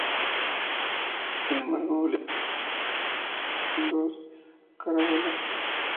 Sin embargo, Olid decidió lanzar un ataque con dos carabelas.